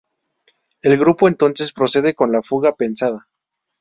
El grupo entonces procede con la fuga pensada.